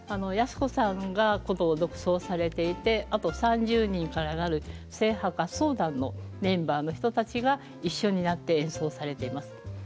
靖子さんが箏を独奏されていてあと３０人から成る正派合奏団のメンバーの人たちが一緒になって演奏されています。